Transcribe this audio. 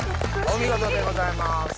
お見事でございます。